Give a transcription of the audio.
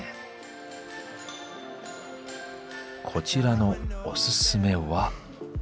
こちらのおすすめは。